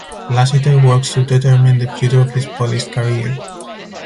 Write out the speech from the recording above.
Lassiter works to determine the future of his police career.